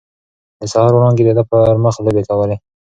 د سهار وړانګې د ده پر مخ لوبې کولې.